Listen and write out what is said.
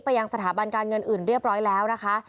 ยังสถาบันการเงินอื่นเรียบร้อยแล้วนะคะ